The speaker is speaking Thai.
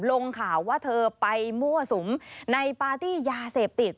ลงข่าวว่าเธอไปมั่วสุมในปาร์ตี้ยาเสพติด